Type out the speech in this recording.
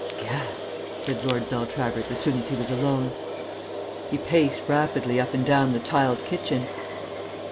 "Gad," said Lord Beltravers as soon as he was alone. He paced rapidly up and down the tiled kitchen.